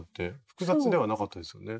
複雑ではなかったですよね。